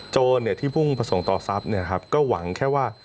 โจรที่พุ่งประสงค์ต่อทรัพย์ก็หวังแค่ว่า